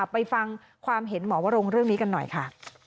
ไปฟังความเห็นหมอวรงเรื่องนี้กันหน่อยค่ะ